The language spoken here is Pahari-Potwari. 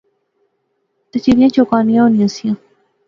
تہ چڑیاں چوکانیاں ہونیاں سیا